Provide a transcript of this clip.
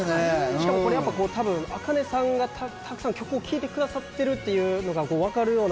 しかもこれ多分ａｋａｎｅさんがたくさん曲を聴いてくださってるっていうのが分かるような。